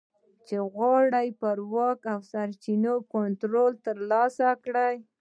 چې غواړي پر واک او سرچینو کنټرول ترلاسه کړي